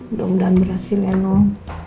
udah mudahan berhasil ya noh